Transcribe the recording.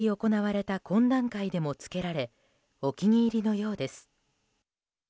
このイヤリングは一昨日行われた懇談会でもつけられお気に入りのようです。